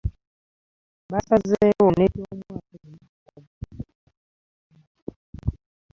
Baasazeewo n'egyomwaka guno bagidduke mu ngeri ya ssaayansi